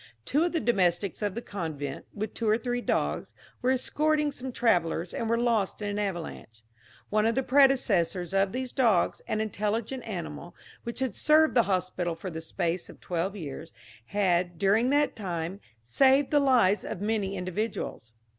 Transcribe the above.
Two of the domestics of the convent, with two or three dogs, were escorting some travellers, and were lost in an avalanche. One of the predecessors of these dogs, an intelligent animal, which had served the hospital for the space of twelve years, had, during that time, saved the lives of many individuals.